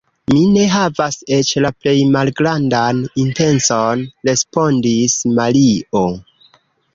Mi ne havas eĉ la plej malgrandan intencon, respondis Mario.